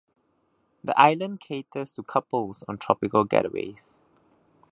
The island caters to couples on tropical getaways.